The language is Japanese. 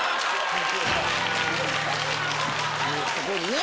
ここにね。